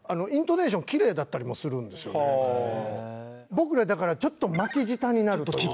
僕らだからちょっと巻き舌になるというか。